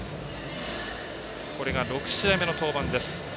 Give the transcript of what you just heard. これが６試合目の登板です。